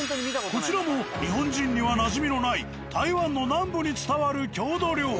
こちらも日本人にはなじみのない台湾の南部に伝わる郷土料理。